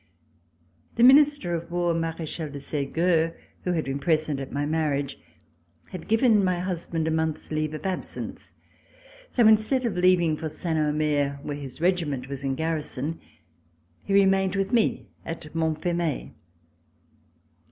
The Minister of War, Marechal de Segur, who had been present at my marriage, had given my husband a month's leave of absence, so instead of leaving for Saint Omer, where his regiment was in garrison, he remained with me at Montfermeil.